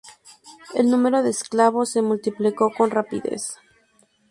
El número de esclavos se multiplicó con rapidez.